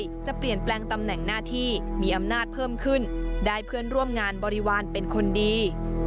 จะเปลี่ยนแปลงตำแหน่งหน้าที่มีอำนาจเพิ่มขึ้นได้เพื่อนร่วมงานบริวารเป็นคนดี